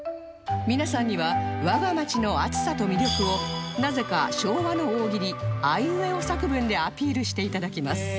皆さんには我が街の暑さと魅力をなぜか昭和の大喜利あいうえお作文でアピールして頂きます